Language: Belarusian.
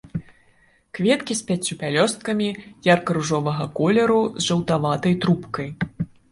Кветкі з пяццю пялёсткамі, ярка-ружовага колеру з жаўтаватай трубкай.